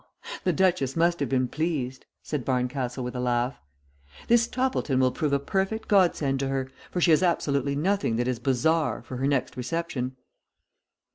"The duchess must have been pleased," said Barncastle with a laugh. "This Toppleton will prove a perfect godsend to her, for she has absolutely nothing that is bizarre for her next reception."